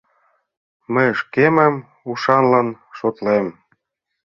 Мый шкемым ушанлан шотлем.